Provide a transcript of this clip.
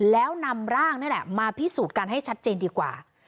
แล้วนำร่างนี่แหละมาพิสูจน์กันให้ชัดเจนดีกว่า